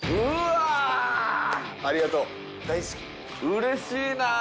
うれしいな。